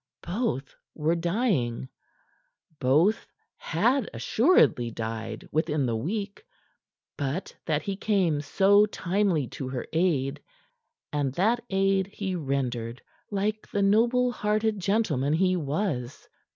Both were dying; both had assuredly died within the week but that he came so timely to her aid. And that aid he rendered like the noble hearted gentleman he was.